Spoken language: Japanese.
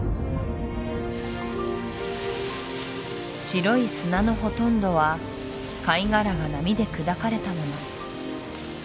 白い砂のほとんどは貝殻が波で砕かれたもの